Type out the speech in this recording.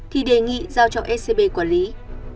thì đề nghị giao cho scb quản lý